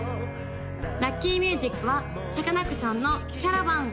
・ラッキーミュージックはサカナクションの「キャラバン」